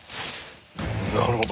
なるほど。